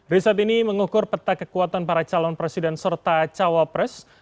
riset ini mengukur peta kekuatan para calon presiden serta cawapres